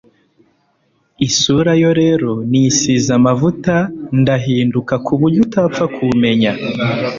isura yo rero nisize amavuta ndahinduka kuburyo utapfa kumenya